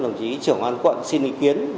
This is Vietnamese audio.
đồng chí trưởng an quận xin ý kiến